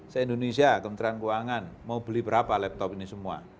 se indonesia kementerian keuangan mau beli berapa laptop ini semua